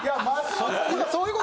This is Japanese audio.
そうそう。